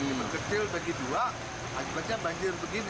ini berkecil bagi dua akibatnya banjir begini